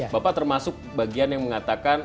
bapak termasuk bagian yang mengatakan